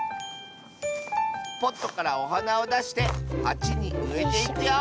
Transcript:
ポットからおはなをだしてはちにうえていくよ